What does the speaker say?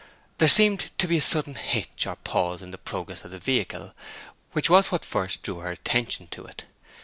There seemed to be a sudden hitch or pause in the progress of the vehicle, which was what first drew her attention to it.